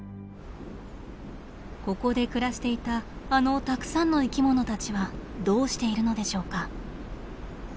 ここで暮らしていたあのたくさんの生きものたちはどうしているのでしょうか？